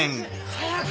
早く！